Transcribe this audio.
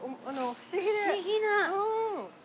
不思議な。